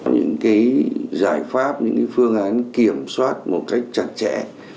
những cái giải pháp những cái phương án kiểm soát một cách chặt chẽ